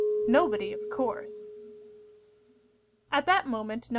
Nobody, of course!" At that moment Nos.